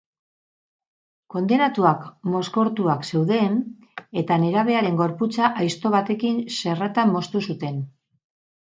Kondenatuak mozkortuak zeuden eta nerabearen gorputza aizto batekin xerratan moztu zuten.